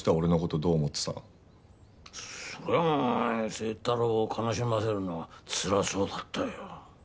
そりゃあお前星太郎を悲しませるのはつらそうだったよ。